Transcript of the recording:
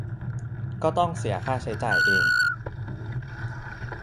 ก็ต้องเสียค่าใช้จ่ายเอง